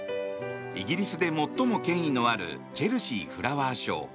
イギリスで最も権威のあるチェルシーフラワーショー。